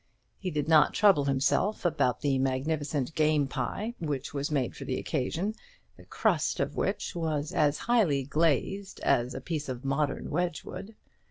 He did not trouble himself about the magnificent game pie which was made for the occasion, the crust of which was as highly glazed as a piece of modern Wedgwood.